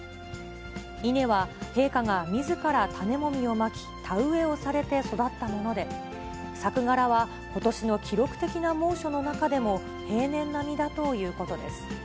稲は陛下がみずから種もみをまき、田植えをされて育ったもので、作柄はことしの記録的な猛暑の中でも、平年並みだということです。